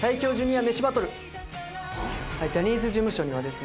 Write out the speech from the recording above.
ジャニーズ事務所にはですね